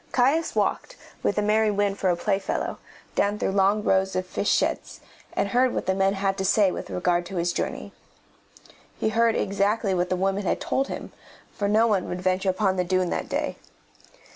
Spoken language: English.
Caius walked, with the merry wind for a playfellow, down through long rows of fish sheds, and heard what the men had to say with regard to his journey. He heard exactly what the women had told him, for no one would venture upon the dune that day.